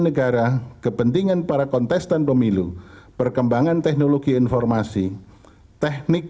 negara kepentingan para kontestan pemilu perkembangan teknologi informasi teknik